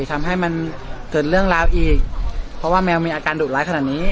ทำให้มันเกิดเรื่องราวอีกเพราะว่าแมวมีอาการดุร้ายขนาดนี้